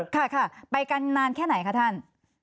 ค่ะค่ะไปกันนานแค่ไหนคะท่าน